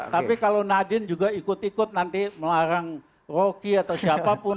tapi kalau nadiem juga ikut ikut nanti melarang rocky atau siapapun